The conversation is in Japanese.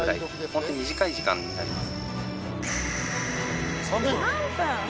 ホント短い時間になります。